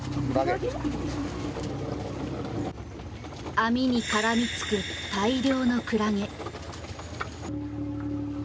網に絡みつく大量のクラゲ。